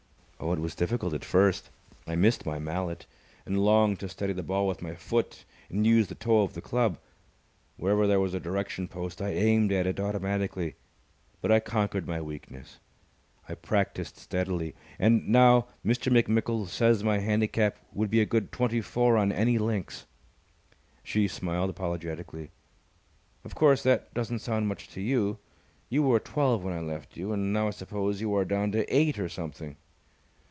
Oh, it was difficult at first. I missed my mallet, and long to steady the ball with my foot and use the toe of the club. Wherever there was a direction post I aimed at it automatically. But I conquered my weakness. I practised steadily. And now Mr. McMickle says my handicap would be a good twenty four on any links." She smiled apologetically. "Of course, that doesn't sound much to you! You were a twelve when I left you, and now I suppose you are down to eight or something."